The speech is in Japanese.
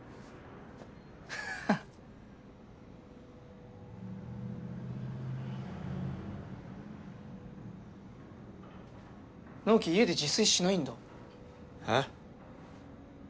フフッ直己家で自炊しないんだえっ？